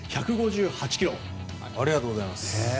ありがとうございます。